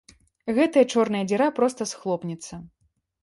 Гэтая чорная дзіра проста схлопнецца.